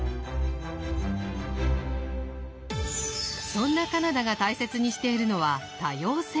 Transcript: そんなカナダが大切にしているのは多様性。